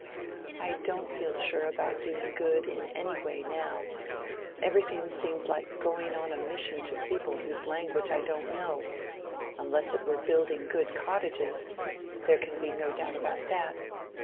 I don't feel sure about doing good in any way now: everything seems like going on a mission to a people whose language I don't know;—unless it were building good cottages—there can be no doubt about that.